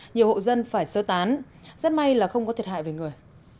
nhiều hộ dân phải sơ tán rất may là không có thiệt hại về người